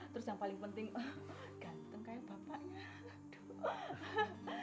terus yang paling penting ganteng kayak bapaknya